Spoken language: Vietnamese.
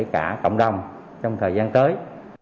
cộng đồng trong thời gian tới